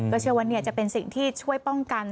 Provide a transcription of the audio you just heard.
เชื่อว่าจะเป็นสิ่งที่ช่วยป้องกัน